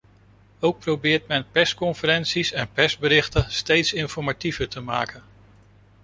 Ook probeert men persconferenties en persberichten steeds informatiever te maken.